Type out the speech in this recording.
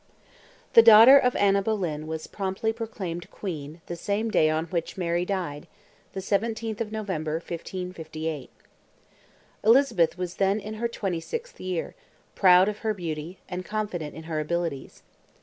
The daughter of Anna Boleyn was promptly proclaimed Queen the same day on which Mary died—the 17th of November, 1558. Elizabeth was then in her 26th year, proud of her beauty, and confident in her abilities.